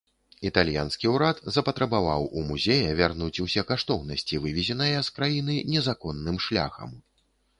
Італьянскі ўрад запатрабаваў у музея вярнуць усе каштоўнасці, вывезеныя з краіны незаконным шляхам.